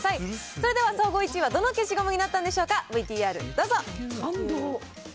それでは総合１位はどの消しゴムになったんでしょうか、ＶＴＲど感動。